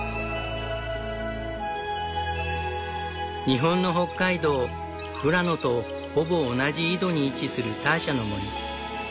日本の北海道富良野とほぼ同じ緯度に位置するターシャの森。